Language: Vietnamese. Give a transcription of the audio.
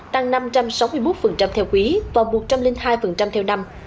tăng năm trăm sáu mươi một theo quý và một trăm linh hai theo năm